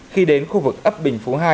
khi đến khu vực ấp bình phú hai